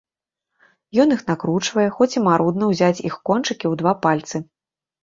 Ён іх накручвае, хоць і марудна ўзяць іх кончыкі ў два пальцы.